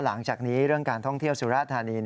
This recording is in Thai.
หลังจากนี้เรื่องการท่องเที่ยวสุราธานี